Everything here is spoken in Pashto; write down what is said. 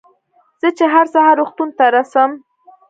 زه چې هر سهار روغتون ته رڅم.